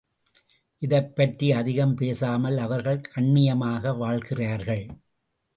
இதைப்பற்றி அதிகம் பேசாமல் அவர்கள் கண்ணியமாக வாழ்கிறார்கள்.